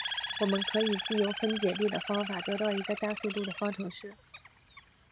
我们可以藉由分解力的方法得到一个加速度的方程式。